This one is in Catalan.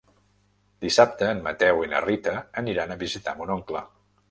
Dissabte en Mateu i na Rita aniran a visitar mon oncle.